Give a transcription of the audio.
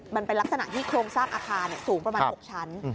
มันเป็นลักษณะที่โครงสร้างอาคารสูงประมาณ๖ชั้น